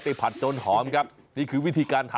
มีที่จอดเพียบแถมปลอดภัยอีกด้วยนะครับ